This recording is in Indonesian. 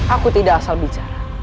aku tidak asal bicara